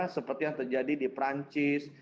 seperti yang terjadi di perancis